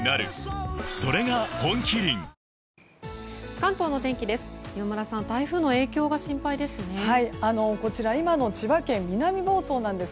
関東のお天気です。